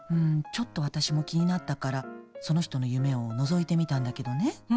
ちょっと私も気になったから、その人の夢をのぞいてみたんだけどね